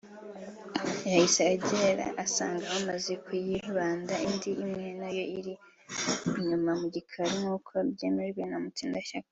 yahise ahagera asanga bamaze kuyibaga indi imwe nayo iri inyuma mu gikari; nk’uko byemezwa na Mutsindashyaka